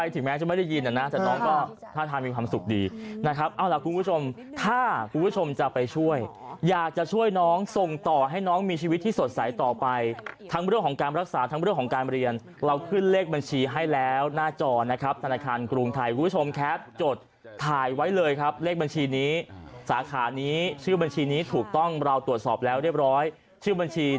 ถึงแม้จะไม่ได้ยินนะนะแต่น้องก็ท่าทางมีความสุขดีนะครับเอาล่ะคุณผู้ชมถ้าคุณผู้ชมจะไปช่วยอยากจะช่วยน้องส่งต่อให้น้องมีชีวิตที่สดใสต่อไปทั้งเรื่องของการรักษาทั้งเรื่องของการเรียนเราขึ้นเลขบัญชีให้แล้วหน้าจอนะครับธนาคารกรุงไทยคุณผู้ชมแคปจดถ่ายไว้เลยครับเลขบัญชีนี้สาขานี้ชื่อบัญชีนี้ถูกต้องเราตรวจสอบแล้วเรียบร้อยชื่อบัญชี